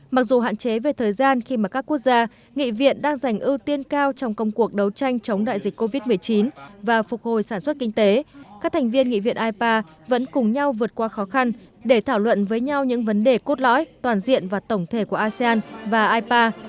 mặc dù hạn chế về thời gian khi mà các quốc gia nghị viện đang giành ưu tiên cao trong công cuộc đấu tranh chống đại dịch covid một mươi chín và phục hồi sản xuất kinh tế các thành viên nghị viện ipa vẫn cùng nhau vượt qua khó khăn để thảo luận với nhau những vấn đề cốt lõi toàn diện và tổng thể của asean và ipa